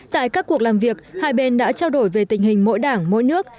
tại các cuộc làm việc hai bên đã trao đổi về tình hình mỗi đảng mỗi nước